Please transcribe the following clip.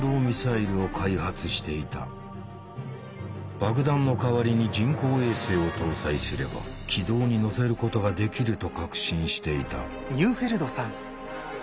爆弾の代わりに人工衛星を搭載すれば軌道に乗せることができると確信していた。